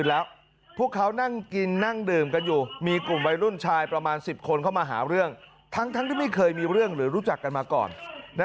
น้ำดื่มกันอยู่มีกลุ่มเวรุ่นชายประมาณ๑๐คนเข้ามาหาเรื่องทั้งทั้งด้วยไม่เคยมีเรื่องหรือรู้จักกันมาก่อนนะ